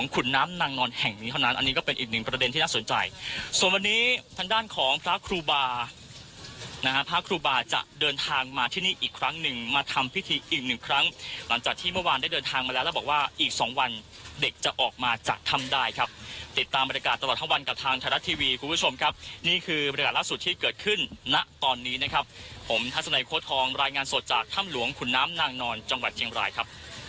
ครั้งหนึ่งมาทำพิธีอีกหนึ่งครั้งหลังจากที่เมื่อวานได้เดินทางมาแล้วแล้วบอกว่าอีกสองวันเด็กจะออกมาจากทำได้ครับติดตามบรรยากาศตลอดทั้งวันกับทางไทยรัฐทีวีคุณผู้ชมครับนี่คือบรรยากาศล่าสุดที่เกิดขึ้นณตอนนี้นะครับผมทัศนาธิโคทองรายงานสดจากถ้ำหลวงขุนน้ำนางนอนจังหวั